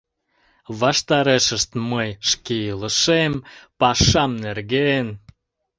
Ваштарешышт мый — шке илышем, пашам нерген.